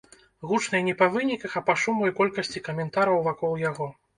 Гучнай не па выніках, а па шуму і колькасці каментараў вакол яго.